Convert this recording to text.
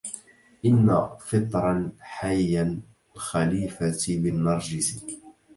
إن فطرا حيا الخليفة بالنرجس